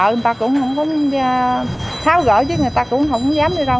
người ta cũng không có tháo gỡ chứ người ta cũng không dám đi ra ngoài